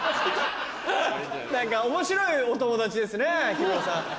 何か面白いお友達ですね木村さん。